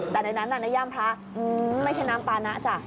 แต่ในนั้นในย่ามพระไม่ใช่น้ำปานะจ้ะ